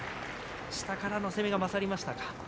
下からの攻めが勝りましたか。